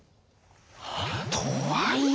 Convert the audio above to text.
とはいえ。